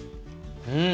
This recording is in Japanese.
うん。